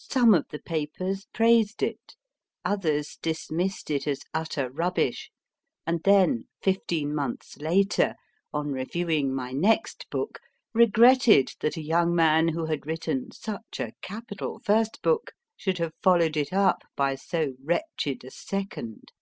Some of the papers praised it, others dismissed it as utter rubbish ; and then, fifteen months later, on reviewing my next book, regretted that a young man who had written such a capital first book should have followed it up by so wretched a second.